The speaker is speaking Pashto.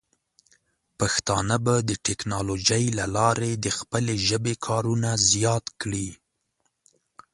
پښتانه به د ټیکنالوجۍ له لارې د خپلې ژبې کارونه زیات کړي.